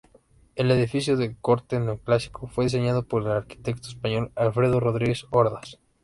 El edificio, de corte neoclásico, fue diseñado por el arquitecto español Alfredo Rodríguez Ordaz.